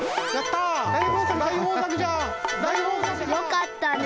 よかったね。